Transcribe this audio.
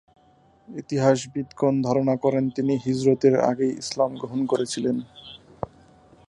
ইতিহাসবিদগণ ধারণা করেন, তিনি হিজরতের আগেই ইসলাম গ্রহণ করেছিলেন।